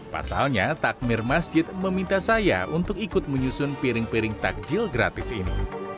pasalnya takmir masjid meminta saya untuk ikut menyusun piring piring takjil gratis ini